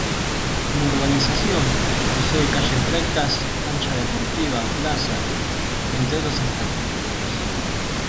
Como urbanización posee calles rectas cancha deportiva, plaza, entre otras infraestructuras.